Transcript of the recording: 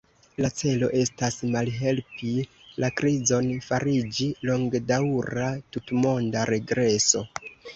Le celo estas malhelpi la krizon fariĝi longedaŭra tutmonda regreso.